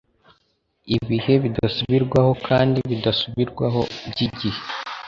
Ibihe bidasubirwaho kandi bidasubirwaho byigihe